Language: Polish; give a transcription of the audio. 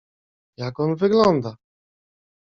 Jak on wygląda!